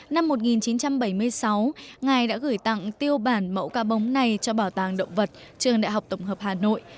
năm một nghìn chín trăm bảy mươi sáu ngài đã gửi tặng tiêu bản mẫu ca bóng này cho bảo tàng động vật trường đại học tổng hợp hà nội